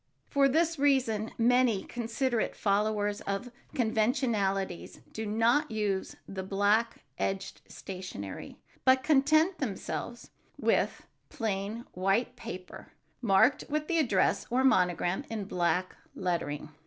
For this reason many considerate followers of conventionalities do not use the black edged stationery, but content themselves with plain white paper marked with the address or monogram in black lettering.